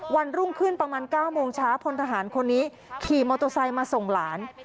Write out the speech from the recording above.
วันรุ่งขึ้นประมาณ๙โมงเช้าพลทหารคนนี้ขี่มอเตอร์ไซค์มาส่งหลาน